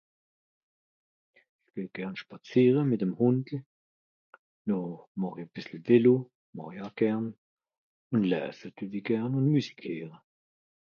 geh gern schpàziere mìt dm Hùndel nòr màch'i à bìssel vélo màch'i euj gern ùn lässe deuwi gern ùn Musique heere